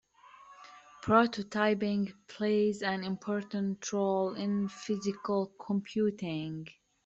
Prototyping plays an important role in Physical Computing.